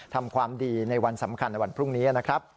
ทำความดีในวันสำคัญในวันพรุ่งนี้นะครับ